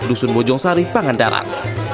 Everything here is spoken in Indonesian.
dusun bojong sari pangandaran